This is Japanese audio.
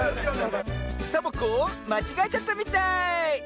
サボ子まちがえちゃったみたい！